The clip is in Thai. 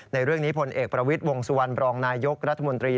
ในเรื่องนี้พลเอกประวิทย์วงสุวรรณบรองนายยกรัฐมนตรี